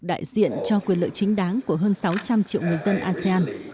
đại diện cho quyền lợi chính đáng của hơn sáu trăm linh triệu người dân asean